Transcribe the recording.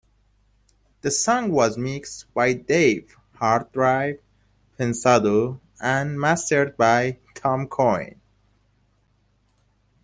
The song was mixed by Dave "Hard Drive" Pensado and mastered by Tom Coyne.